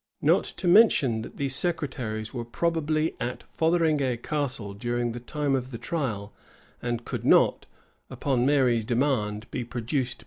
Not to mention, that these secretaries were not probably at Fotheringay Castle during the time of the trial, and could not, upon Mary's demand, be produced before the commissioners.